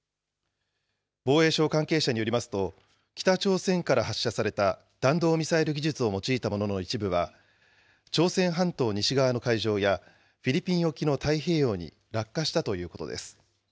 防衛省関係者によりますと、北朝鮮から発射された弾道ミサイル技術を用いたものの一部は、朝鮮半島西側の海上や、フィリピン沖の太平洋に落下したということです。